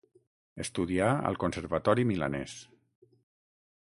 Estudià al Conservatori milanès.